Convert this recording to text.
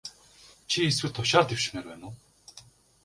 Чи эсвэл тушаал дэвшмээр байна уу?